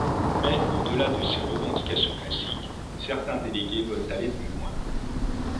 Mais au-delà de ces revendications classiques, certains délégués veulent aller plus loin.